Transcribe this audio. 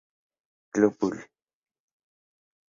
Club; Bull.